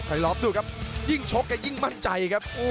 คารีลอฟดูครับยิ่งชกกะยิ่งมั่นใจกับ